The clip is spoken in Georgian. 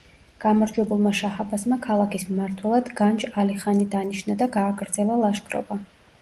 გამარჯვებულმა შაჰ-აბასმა ქალაქის მმართველად განჯ ალი ხანი დანიშნა და გააგრძელა ლაშქრობა.